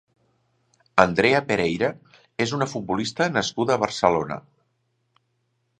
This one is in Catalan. Andrea Pereira és una futbolista nascuda a Barcelona.